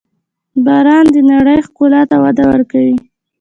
• باران د نړۍ ښکلا ته وده ورکوي.